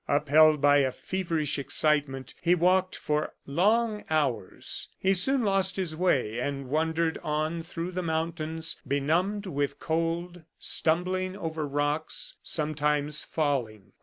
Upheld by a feverish excitement, he walked for long hours. He soon lost his way, and wandered on through the mountains, benumbed with cold, stumbling over rocks, sometimes falling.